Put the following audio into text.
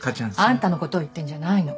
あんたのことを言ってんじゃないの。